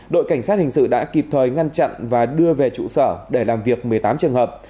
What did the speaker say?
đội cảnh sát hình sự đã kịp thời ngăn chặn và đưa về trụ sở để làm việc một mươi tám trường hợp